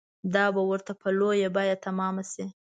دا به ورته په لویه بیه تمامه شي.